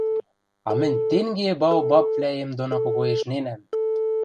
А мӹнь тенге баобабвлӓэм доно когоэшненӓм!